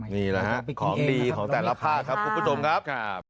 นี่แหละฮะของดีของแต่ละภาคครับคุณผู้ชมครับ